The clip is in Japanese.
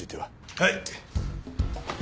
はい。